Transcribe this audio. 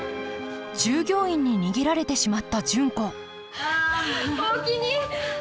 従業員に逃げられてしまった純子おおきに！